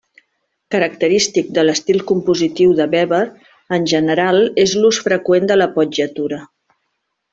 Característic de l'estil compositiu de Weber, en general, és l'ús freqüent de l'appoggiatura.